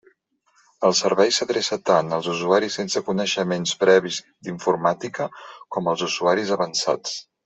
El servei s'adreça tant als usuaris sense coneixements previs d'informàtica, com als usuaris avançats.